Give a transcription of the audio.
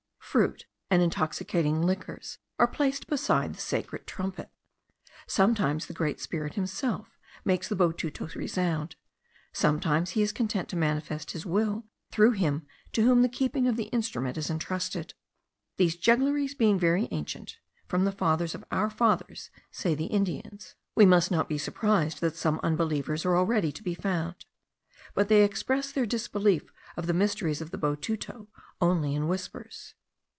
Fruit and intoxicating liquors are placed beside the sacred trumpet. Sometimes the Great Spirit himself makes the botuto resound; sometimes he is content to manifest his will through him to whom the keeping of the instrument is entrusted. These juggleries being very ancient (from the fathers of our fathers, say the Indians), we must not be surprised that some unbelievers are already to be found; but they express their disbelief of the mysteries of the botuto only in whispers.